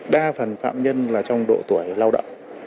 đa phần phạm nhân là trong độ tuổi lao động